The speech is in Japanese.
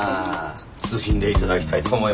謹んでいただきたいと思います。